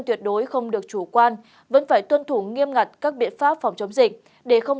tuyệt đối không được chủ quan vẫn phải tuân thủ nghiêm ngặt các biện pháp phòng chống dịch để không